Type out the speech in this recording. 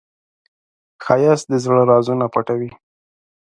ښایست د زړه رازونه پټوي